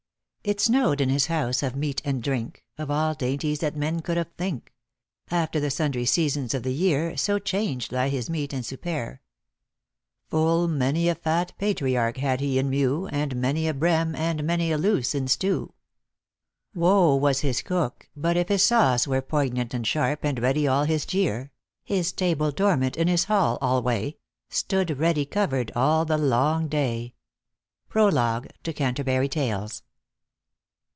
It snowed in his house of meat and drink, Of all dainties that men could of think ; After the sundry seasons of the year, So changed lie his meat and soupere. Full many a fat patriarch had he in mew, And many a breme and many a luee in stew ; Wo was his cook, but if his sauce were Poignant and sharp, and ready all his gere, His table dormant in his hall alway, Stood ready covered all the long day. Prologue to Canterbury Tales.